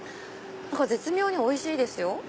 絶妙においしいですよ。